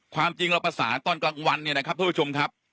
ความจริงเราประสานตอนกลางวันเนี่ยนะครับท่านผู้ชมครับ